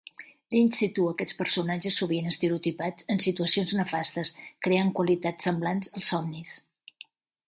Lynch situa aquests personatges sovint estereotipats en situacions nefastes, creant qualitats semblants als somnis.